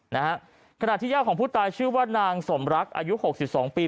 นะฮะขณะที่ย่าของผู้ตายชื่อว่านางสมรักอายุหกสิบสองปี